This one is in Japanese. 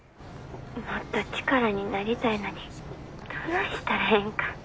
もっと力になりたいのにどないしたらええんか。